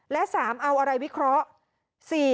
และ๓เอาอะไรวิเคราะห์